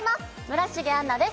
村重杏奈です